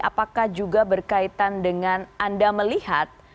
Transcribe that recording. apakah juga berkaitan dengan anda melihat